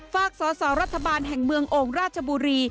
ฝากสอสอรัฐบาลแห่งเมืองโอ่งราชบุรี